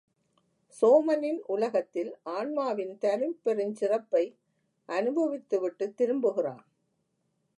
சோமனின் உலகத்தில் ஆன்மாவின் தனிப்பெருஞ் சிறப்பை அனுபவித்துவிட்டுத் திரும்புகிறான்.